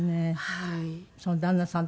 はい。